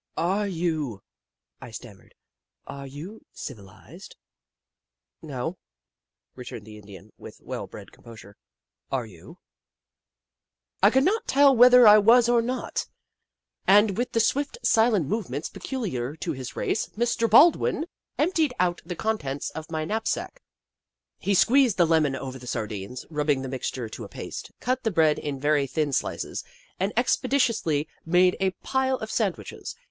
"Are you —?" I stammered. "Are you civilised ?"" No," returned the Indian, with well bred composure. " Are you ?" 86 The Book of Clever Beasts I could not tell whether I was or not, and with the swift, silent movements peculiar to his race, Mr. Baldwin emptied out the con tents of my knapsack. He squeezed the lemon over the sardines, rubbing the mixture to a paste, cut the bread in very thin slices, and expeditiously made a pile of sandwiches.